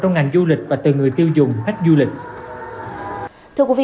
trong ngành du lịch và từ người tiêu dùng khách du lịch